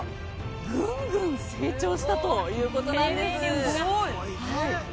ぐんぐん成長したということなんです。